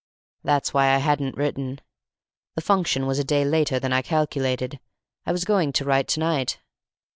That's why I hadn't written. The function was a day later than I calculated. I was going to write to night."